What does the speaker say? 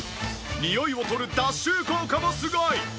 においを取る脱臭効果もすごい！